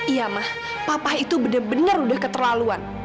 iya mah papah itu benar benar udah keterlaluan